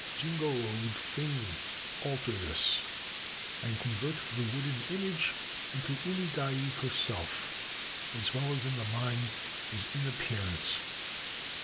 Jingoro would fain alter this and convert the wooden image into Umegaye herself — as well in the mind as in appearance.